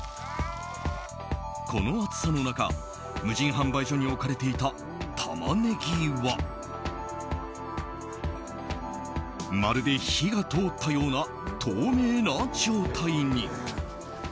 この暑さの中無人販売所に置かれていたタマネギはまるで火が通ったような透明な状態に。